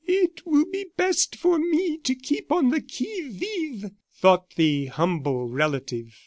"It will be best for me to keep on the qui vive," thought the humble relative.